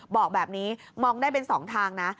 บอกแบบนี้มองได้เป็น๒ทางนะ